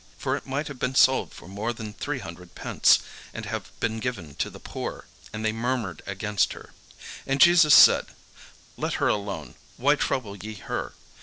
For it might have been sold for more than three hundred pence, and have been given to the poor." And they murmured against her. And Jesus said, "Let her alone; why trouble ye her?